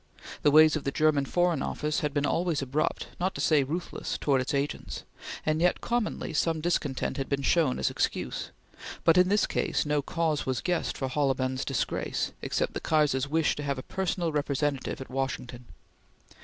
The ways of the German Foreign Office had been always abrupt, not to say ruthless, towards its agents, and yet commonly some discontent had been shown as excuse; but, in this case, no cause was guessed for Holleben's disgrace except the Kaiser's wish to have a personal representative at Washington.